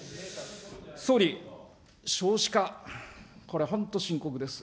総理、少子化、これは本当に深刻です。